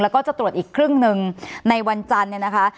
แล้วก็จะตรวจอีกครึ่งหนึ่งในวันจันทร์เนี่ยนะคะ